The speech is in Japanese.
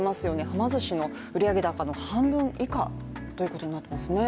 はま寿司の売上高の半分以下ということになりますね。